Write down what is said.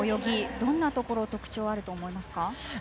どんなところに特徴があると思いますか？